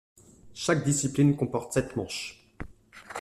Chaque discipline comporte sept manches.